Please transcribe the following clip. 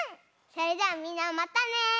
それじゃあみんなまたね。